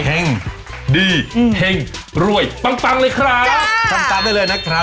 เห็งดีเห็งรวยปังเลยครับ